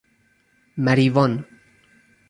مریوان